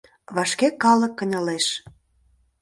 Вашке калык кынелеш.